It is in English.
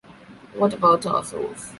What about our souls?